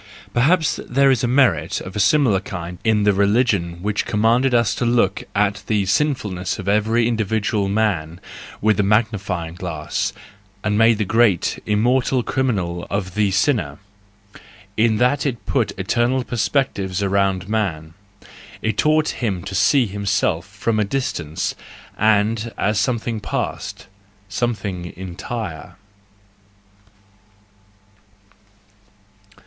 —Perhaps there is merit of a similar kind in the religion which commanded us to look at the sinfulness of every individual man with a magnify¬ ing glass, and to make a great, immortal criminal out of the sinner; in that it put eternal per¬ spectives around man, it taught him to see himself from a distance, and as something past, something entire.